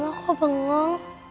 mama aku bengong